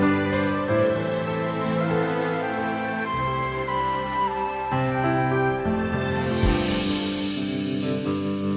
saya masih sedang tidur